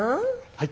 はい。